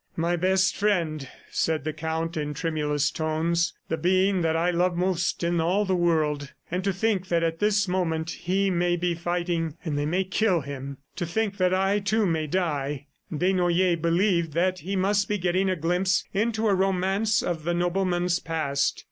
"My best friend," said the Count in tremulous tones. "The being that I love most in all the world. ... And to think that at this moment he may be fighting, and they may kill him! ... To think that I, too, may die!" Desnoyers believed that he must be getting a glimpse into a romance of the nobleman's past.